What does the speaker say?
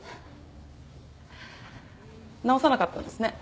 直さなかったんですね。